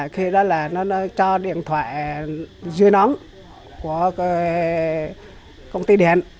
khi đó là nó cho điện thoại dưới nóng của công ty điện